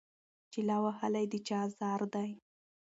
چي لا وهلی د چا آزار دی